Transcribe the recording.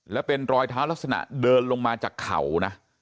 แล้วเป็นรอยเท้าลักษณะเดินลงมาจากเขานะ